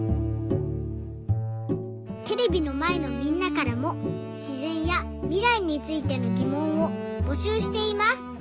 テレビのまえのみんなからもしぜんやみらいについてのぎもんをぼしゅうしています。